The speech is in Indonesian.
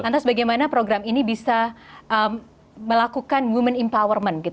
lantas bagaimana program ini bisa melakukan women empowerment